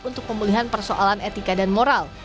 untuk pemulihan persoalan etika dan moral